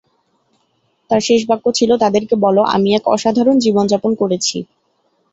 তার শেষ বাক্য ছিলঃ "তাদেরকে বলো, আমি এক অসাধারণ জীবন যাপন করেছি"।